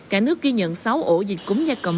cả nước ghi nhận sáu ổ dịch cúm da cầm